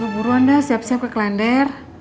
lu buruan dah siap siap ke kalender